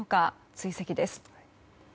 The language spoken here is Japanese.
追跡です。